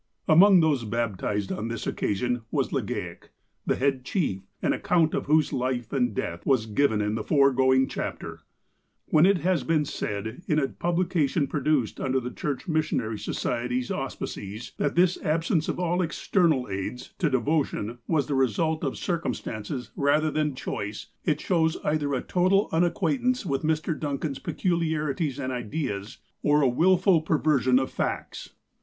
Among those baptized on this occasion was Legaic, the head chief, an account of whose life and death was given in the foregoing chapter. When it has been said, in a publication produced under the Church Missionary Society's auspices, that this ab sence of all ''external aids " to devotion was the result of ONWAED AND UPWARD 171 circumstances, rather than choice, it shows either a total uuacquaintance with Mr. Duncan's peculiarities and ideas, or a wilful perversion of facts.